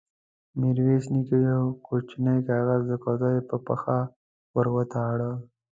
ميرويس نيکه يو کوچينۍ کاغذ د کوترې پر پښه ور وتاړه.